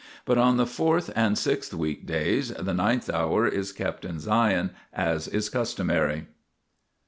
But on the fourth and sixth weekdays, the ninth hour is kept in Sion as is customary.